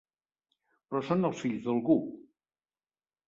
Però són els fills d'algú.